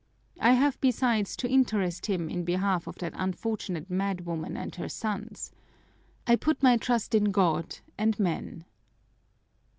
I have, besides, to interest him in behalf of that unfortunate madwoman and her sons. I put my trust in God and men!"